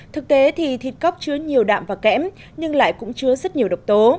thực tế thì thịt cóc chứa nhiều đạm và kẽm nhưng lại cũng chứa rất nhiều độc tố